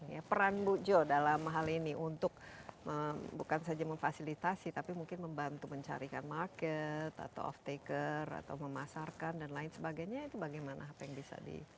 ya peran bu jo dalam hal ini untuk bukan saja memfasilitasi tapi mungkin membantu mencarikan market atau off taker atau memasarkan dan lain sebagainya itu bagaimana apa yang bisa di